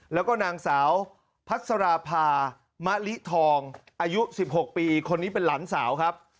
แล้วก็นางสาวพัสราภามะลิทองอายุ๑๖ปีคนนี้เป็นหลานสาวครับ